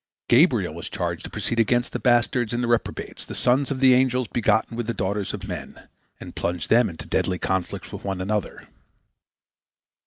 Gabriel was charged to proceed against the bastards and the reprobates, the sons of the angels begotten with the daughters of men, and plunge them into deadly conflicts with one another.